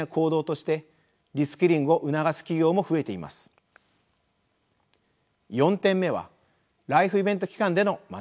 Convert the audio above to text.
４点目はライフイベント期間での学び直しです。